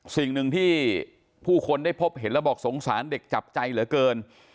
สิ่งหนึ่งที่ผู้คนได้พบเห็นแล้วบอกสงสารเด็กจับใจเหลือเกิน